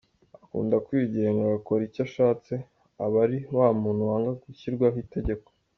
Akunda kwigenga agakora icyo ashatse, aba ari wa muntu wanga gushyirwaho itegeko.